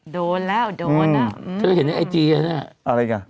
โดนแล้วโดนอ่ะอืมเธอเห็นไอจีอ่ะน่ะอะไรกัน